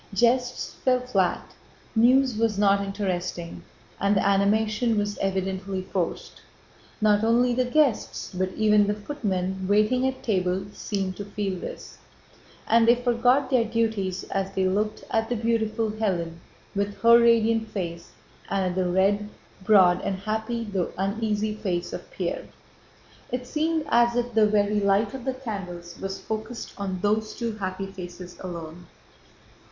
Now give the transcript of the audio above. Jests fell flat, news was not interesting, and the animation was evidently forced. Not only the guests but even the footmen waiting at table seemed to feel this, and they forgot their duties as they looked at the beautiful Hélène with her radiant face and at the red, broad, and happy though uneasy face of Pierre. It seemed as if the very light of the candles was focused on those two happy faces alone.